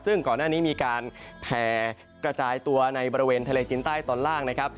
ซึ่งก่อนหน้านี้มีการแผ่กระจายตัวในบริเวณทะเลจินใต้ตอนล่างนะครับ